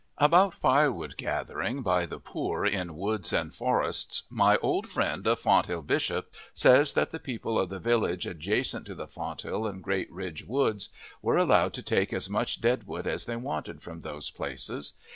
About firewood gathering by the poor in woods and forests, my old friend of Fonthill Bishop says that the people of the villages adjacent to the Fonthill and Great Ridge Woods were allowed to take as much dead wood as they wanted from those places.